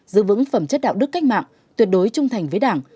giữ vững phẩm chất đạo đức cách mạng tuyệt đối trung thành với đảng